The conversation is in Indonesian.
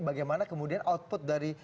bagaimana kemudian output dari